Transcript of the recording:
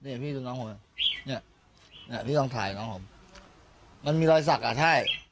เนี้ยพี่ดูน้องผมเนี้ยเนี้ยพี่ลองถ่ายน้องผมมันมีรอยสักอ่ะใช่